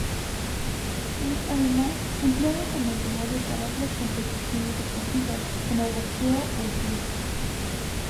Es, además, empleado como escenario para otras competiciones deportivas, como boxeo o esgrima.